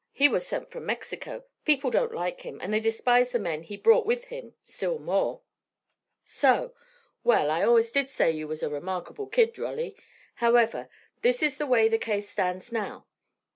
He was sent from Mexico. People don't like him, and they despise the men he brought with him, still more." "So. Well, I allus did say you was a remarkable kid, Rolly. However, this is the way the case stands now.